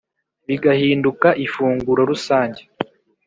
bigahinduka ifunguro rusange,